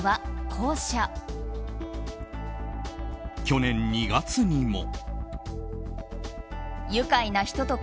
去年２月にも。